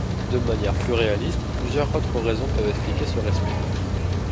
De manière plus réaliste, plusieurs autres raisons peuvent expliquer ce respect.